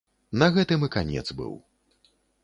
На гэтым і канец быў.